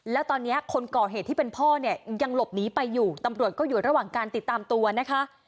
แล้วตอนนี้คนก่อเหตุที่เป็นพ่อเนี่ยยังหลบหนีไปอยู่ตำรวจก็อยู่ระหว่างการติดตามตัวนะคะ